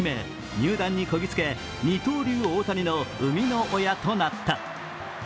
入団にこぎつけ二刀流・大谷の生みの親となった。